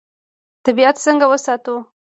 طبیعت څنګه وساتو؟